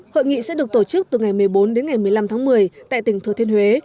hội nghị sẽ được tổ chức từ ngày một mươi bốn đến ngày một mươi năm tháng một mươi tại tỉnh thừa thiên huế